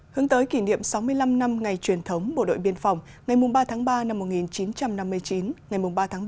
hướng tới kỷ niệm sáu mươi năm năm ngày truyền thống bộ đội biên phòng ngày ba ba một nghìn chín trăm năm mươi chín ngày ba ba hai nghìn hai mươi bốn